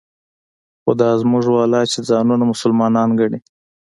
خو دا زموږ والا چې ځانونه مسلمانان ګڼي.